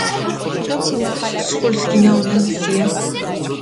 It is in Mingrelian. ბულს სხულს გინაჸონასია